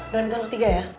ganteng tiga ya